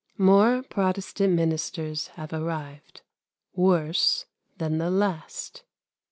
More Protestant ministers have arrived, worse than the last.